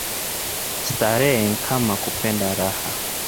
Starehe nkama kupenda raha